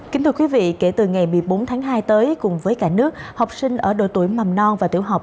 kính thưa quý vị kể từ ngày một mươi bốn tháng hai tới cùng với cả nước học sinh ở độ tuổi mầm non và tiểu học